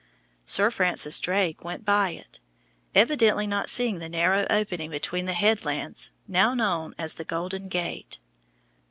Sir Francis Drake went by it, evidently not seeing the narrow opening between the headlands now known as the Golden Gate.